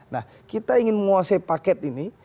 nah kita ingin menguasai paket ini